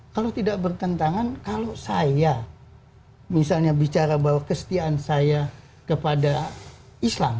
kalau tidak bertentangan kalau saya misalnya bicara bahwa kesetiaan saya kepada islam